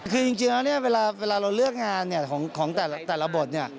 คือจริงแล้วเวลาเราเลือกงานของแต่ละบท